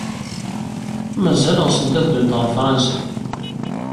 Mazal ɣsent ad ddunt ɣer Fṛansa?